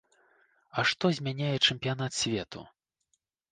А што змяняе чэмпіянат свету?